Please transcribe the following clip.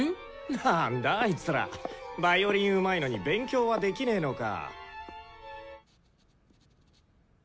なんだあいつらヴァイオリンうまいのに勉強はできねのか。